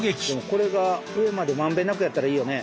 これが上まで満遍なくやったらいいよね。